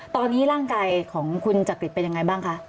ตอนนี้ร่างกายของคุณจักริตเป็นยังไงบ้างคะ